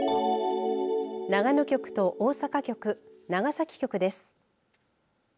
長野局と大阪局、長崎局です。